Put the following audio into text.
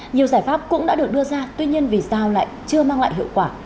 nhiều giải pháp cũng đã được đưa ra tuy nhiên vì sao lại chưa mang lại hiệu quả